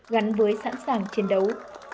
gắn với sẵn sàng chiến đấu